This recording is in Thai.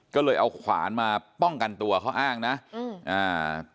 ก็เลยเอาขวานมาป้องกันตัวเขาอ้างนะอืมอ่า